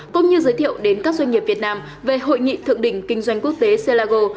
cũng như giới thiệu đến các doanh nghiệp việt nam về hội nghị thượng đỉnh kinh doanh quốc tế selangor